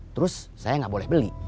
terus saya nggak boleh beli